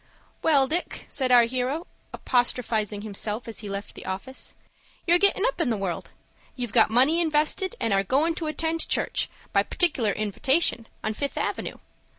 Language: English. "Well, Dick," said our hero, apostrophizing himself, as he left the office; "you're gettin' up in the world. You've got money invested, and are goin' to attend church, by partic'lar invitation, on Fifth Avenue.